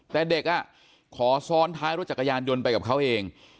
แต่เด็กขอซ้อนท้ายรถจักรยานยนต์ไปกับเขาเอง